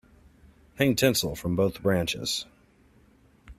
Hang tinsel from both branches.